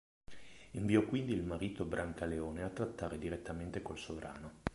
Inviò quindi il marito Brancaleone a trattare direttamente col sovrano.